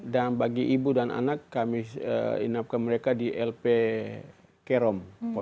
dan bagi ibu dan anak kami inapkan mereka di lp kerom